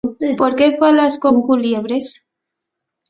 ¿Por qué fales con culiebres?